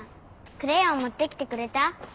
クレヨン持ってきてくれた？